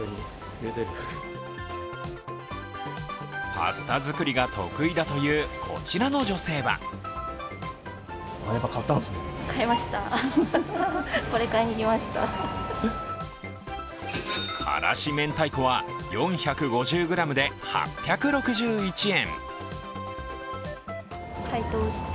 パスタ作りが得意だというこちらの女性は辛子めんたいこは４５０ｇで８６１円。